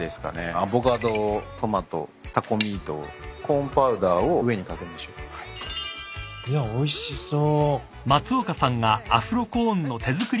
アボカドトマトタコミートコーンパウダーを上に掛けましょう。いやおいしそう。